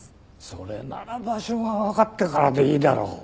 それなら場所がわかってからでいいだろう。